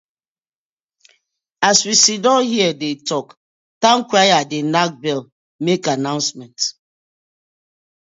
As we siddon here dey tok, towncrier dey nack bell mak annoucement.